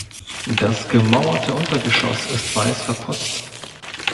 Das gemauerte Untergeschoss ist weiß verputzt.